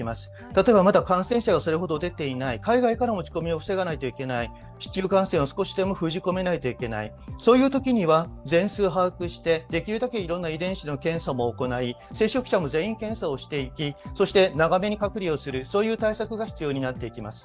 例えば、まだ感染者がそれほど出ていない、海外からの持ち込みを防がないといけない、市中感染を少しでも封じ込めなければいけないときには、全数把握して、できるだけいろんな遺伝子の調査も行い、全員検査をしていきそして、長めに隔離する、そういう対策が必要になってきます。